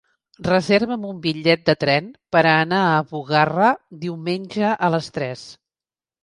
Reserva'm un bitllet de tren per anar a Bugarra diumenge a les tres.